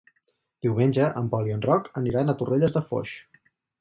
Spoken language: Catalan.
Diumenge en Pol i en Roc aniran a Torrelles de Foix.